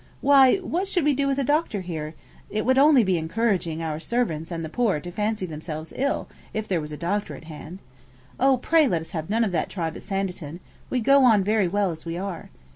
'Why, what should we do with a doctor here? It would only be encouraging our servants and the poor to fancy themselves ill, if there was a doctor at hand. Oh, pray let us have none of that tribe at Sanditon: we go on very well as we are.